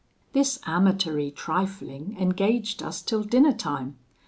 "This amatory trifling engaged us till dinner time.